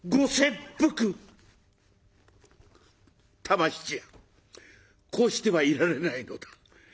玉七やこうしてはいられないのだ。